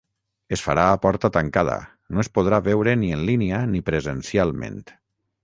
Es farà a porta tancada, no es podrà veure ni en línia ni presencialment.